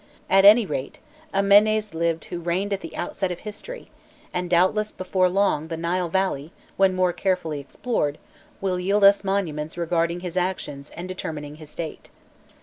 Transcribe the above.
At any rate, a Menés lived who reigned at the outset of history, and doubtless before long the Nile valley, when more carefully explored, will yield us monuments recording his actions and determining his date.